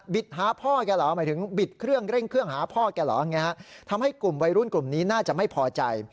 หาพ่อแกเหรอหมายถึงบิดเครื่องเร่งเครื่องหาพ่อแกเหรอทำให้กลุ่มวัยรุ่นกลุ่มนี้น่าจะไม่พอใจ